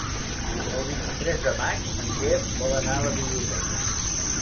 El vint-i-tres de maig en Quer vol anar a la biblioteca.